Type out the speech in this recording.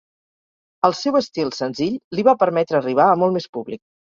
El seu estil senzill li va permetre arribar a molt més públic.